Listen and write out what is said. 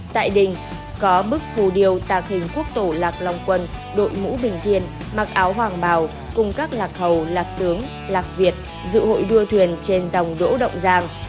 tại đình có bức phù điêu tạc hình quốc tổ lạc long quân đội ngũ bình thiên mặc áo hoàng bào cùng các lạc hậu lạc tướng lạc việt dự hội đua thuyền trên dòng đỗ động giang